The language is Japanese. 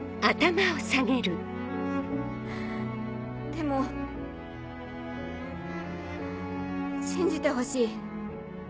でも信じてほしい。